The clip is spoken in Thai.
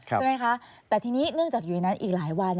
ใช่ไหมคะแต่ทีนี้เนื่องจากอยู่ในนั้นอีกหลายวัน